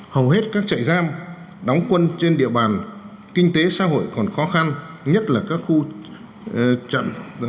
hầu hết các chạy giam đóng quân trên địa bàn kinh tế xã hội còn khó khăn nhất là các khu trận